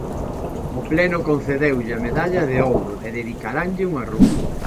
O pleno concedeulle a Medalla de Ouro e dedicaranlle unha rúa.